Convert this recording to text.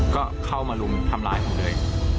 ก็เข้ามาลุมทำร้ายผมเลย